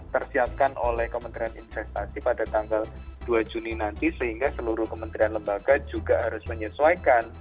tersiapkan oleh kementerian investasi pada tanggal dua juni nanti sehingga seluruh kementerian lembaga juga harus menyesuaikan